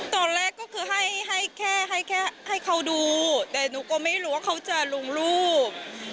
ตอนแรกก็คือให้เขาดูแต่หนูก็ไม่รู้ว่าเขาจะลุงรูป